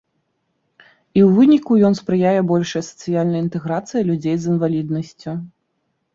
І ў выніку ён спрыяе большай сацыяльнай інтэграцыі людзей з інваліднасцю.